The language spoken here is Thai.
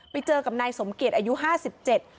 ไปเจอกับนายสมเกียจอายุห้าสิบเจ็ด